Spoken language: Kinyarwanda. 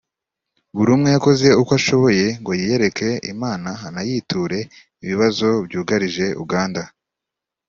buri umwe yakoze uko ashoboye ngo yiyereke Imana anayiture ibibazo byugarije Uganda